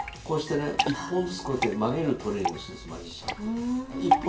こうしてね１本ずつこうやって曲げるトレーニングをするんですマジシャンは。